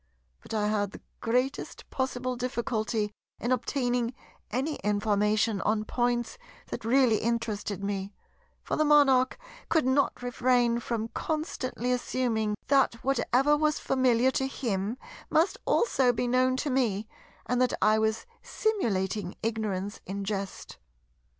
But I had the greatest possible difficulty in obtaining any information on points that really interested me; for the Monarch could not refrain from constantly assuming that whatever was familiar to him must also be known to me and that I was simulating ignorance in jest.